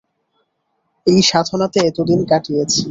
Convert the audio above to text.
এই সাধনাতে এতদিন কাটিয়েছি।